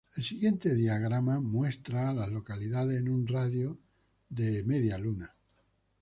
El siguiente diagrama muestra a las localidades en un radio de de Half Moon.